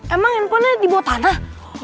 emang handphonenya di bawah tanah